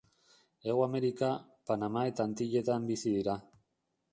Hego Amerika, Panama eta Antilletan bizi dira.